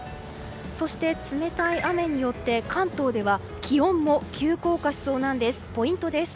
そして冷たい雨によって関東では気温も急降下しそうなんです。